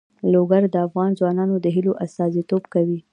لوگر د افغان ځوانانو د هیلو استازیتوب کوي.